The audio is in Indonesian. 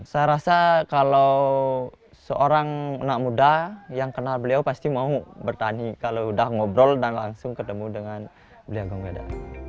saya rasa kalau seorang anak muda yang kenal beliau pasti mau bertani kalau sudah ngobrol dan langsung ketemu dengan belia gung weda